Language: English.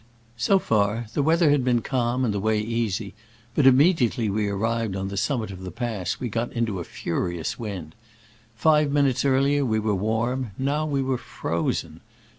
So far, the weather had been calm and the way easy, but immediately we arrived on the summit of the pass we got into a furious wind. Five minutes earlier we were warm — now we were frozen.